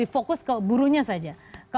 fokus ke burunya saja